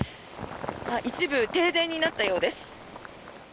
一部、停電になったようです。